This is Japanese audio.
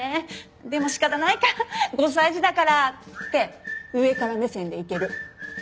「でも仕方ないか５歳児だから」って上から目線でいける。